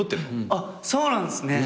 あっそうなんすね！